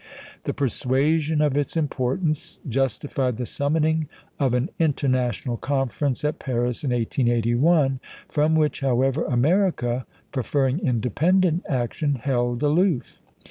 The persuasion of its importance justified the summoning of an International Conference at Paris in 1881, from which, however, America, preferring independent action, held aloof.